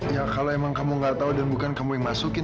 ya kalau emang kamu gak tau dan bukan kamu yang masukin